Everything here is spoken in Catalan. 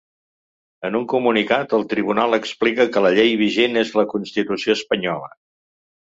En un comunicat, el tribunal explica que la llei vigent és la constitució espanyola.